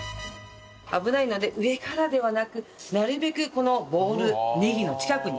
危ないので上からではなくなるべくこのボウルネギの近くに近づけて。